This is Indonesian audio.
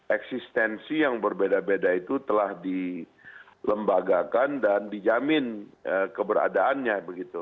eksistensi yang berbeda beda itu telah dilembagakan dan dijamin keberadaannya begitu